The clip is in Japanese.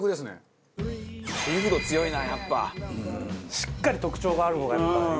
しっかり特徴がある方がやっぱりいいですね。